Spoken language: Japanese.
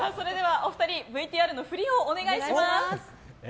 お二人、ＶＴＲの振りをお願いします。